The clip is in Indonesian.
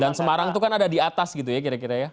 dan semarang itu kan ada di atas gitu ya kira kira ya